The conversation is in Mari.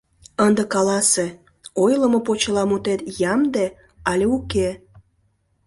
Ынде каласе: ойлымо почеламутет ямде але уке?